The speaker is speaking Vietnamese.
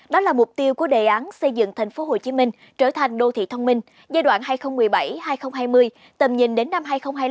đó là mục tiêu của đề án xây dựng tp hcm trở thành đô thị thông minh giai đoạn hai nghìn một mươi bảy hai nghìn hai mươi tầm nhìn đến năm hai nghìn hai mươi năm